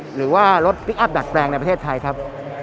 หรือว่ารถพลิกอัพดัดแปลงในประเทศไทยครับ